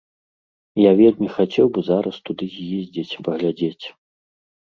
Я вельмі хацеў бы зараз туды з'ездзіць, паглядзець.